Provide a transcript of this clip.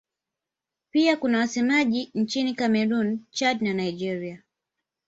Pia kuna wasemaji nchini Kamerun, Chad na Nigeria.